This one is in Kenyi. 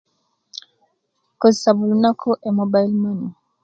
Nkozesa buli lunaku emwobailo manne